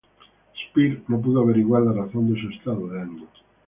Speer no pudo averiguar la razón de su estado de ánimo.